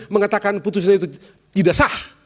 mengatakan putusan itu tidak sah